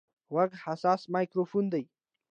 غوږ حساس مایکروفون دی.